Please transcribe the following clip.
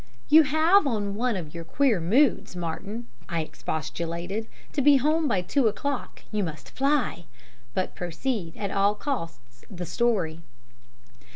"You have on one of your queer moods, Martin," I expostulated. "To be home by two o'clock you must fly! But proceed at all costs, the story."